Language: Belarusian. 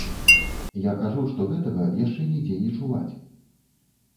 Я кажу, што гэтага яшчэ нідзе не чуваць.